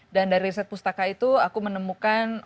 dan dari riset pustaka itu aku menemukan